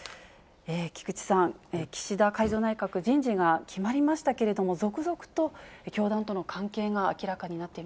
菊池さん、岸田改造内閣、人事が決まりましたけれども、続々と教団との関係